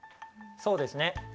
そうですね。